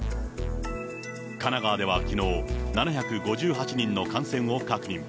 神奈川ではきのう、７５８人の感染を確認。